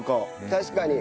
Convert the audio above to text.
確かに。